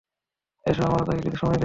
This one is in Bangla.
এসো আমরা তাঁকে কিছু সময় দেই।